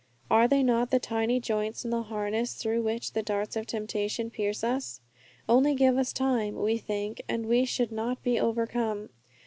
Are they not the tiny joints in the harness through which the darts of temptation pierce us? Only give us time, we think, and we should not be overcome.